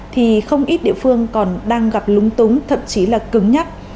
thì không ít địa phương còn đang gặp lúng túng thậm chí là cứng nhắc